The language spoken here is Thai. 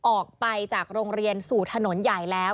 ออกไปจากโรงเรียนสู่ถนนใหญ่แล้ว